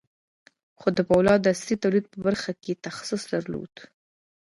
خو د پولادو د عصري توليد په برخه کې يې تخصص درلود.